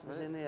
di sini ya